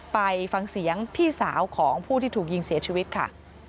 ไปฟังเสียงพี่สาวของผู้ที่ถูกยิงเสียชีวิตค่ะ